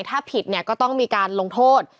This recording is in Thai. ถ้าผิดเนี่ยก็ต้องมีการลงโทษ